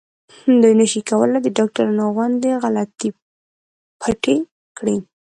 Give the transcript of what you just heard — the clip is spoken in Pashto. دوی نشي کولای د ډاکټرانو غوندې غلطي پټه کړي.